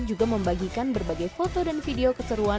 juga membagikan berbagai foto dan video keseruan